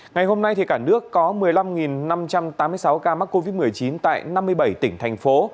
ngày hôm nay cả nước có một mươi năm năm trăm tám mươi sáu ca mắc covid một mươi chín tại năm mươi bảy tỉnh thành phố